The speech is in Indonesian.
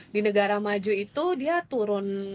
di negara maju itu dia turun